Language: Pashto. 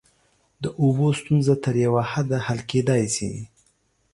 د اوبو ستونزه تر یوه حده حل کیدای شي.